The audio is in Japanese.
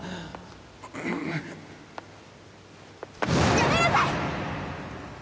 やめなさい！